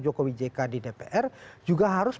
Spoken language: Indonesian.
jokowi jk di dpr juga harus